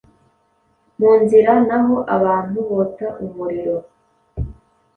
mu nzira n’aho abantu bota umuriro,